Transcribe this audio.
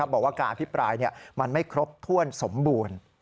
บอกว่าการอภิปรายมันไม่ครบถ้วนสมบูรณ์